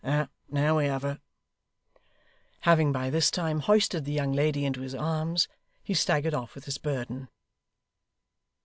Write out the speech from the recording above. Now we have her.' Having by this time hoisted the young lady into his arms, he staggered off with his burden.